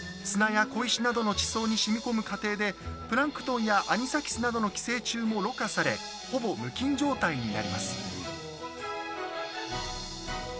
砂や小石などの地層にしみこむ過程でプランクトンやアニサキスなどの寄生虫もろ過されほぼ無菌状態になります